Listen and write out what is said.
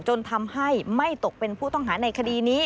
จนทำให้ไม่ตกเป็นผู้ต้องหาในคดีนี้